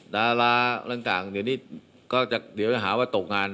ดาราเรื่องต่างก็จะหาว่าจากจะตกงาน